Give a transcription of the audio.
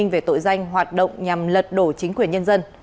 về tội danh hoạt động nhằm lật đổ chính quyền nhân dân